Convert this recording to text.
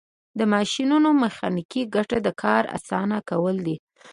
د ماشینونو میخانیکي ګټه د کار اسانه کول دي.